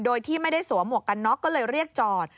โดยที่ไม่ได้สวมหมวกกันน็อกก็เลยเรียกจอด